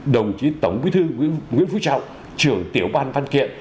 đồng chí tổng bí thư nguyễn phú trọng trưởng tiểu ban văn kiện